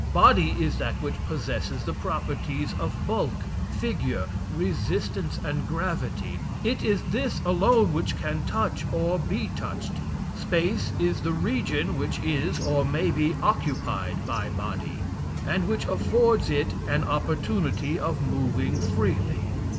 Body is that which possesses the properties of bulk, figure, resistance, and gravity: it is this alone which can touch or be touched. Space is the region which is, or may be, occupied by body, and which affords it an opportunity of moving freely.